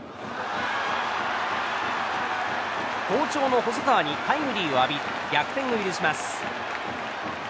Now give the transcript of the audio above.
好調の細川にタイムリーを浴び逆転を許します。